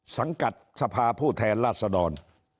สังกัดสภาผู้แทนราชดร